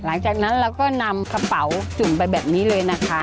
หลังจากนั้นเราก็นำกระเป๋าจุ่มไปแบบนี้เลยนะคะ